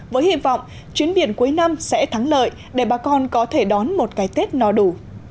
với hy vọng chuyến biển cuối năm sẽ thắng lợi để bà con có thể đón một cái tết no đủ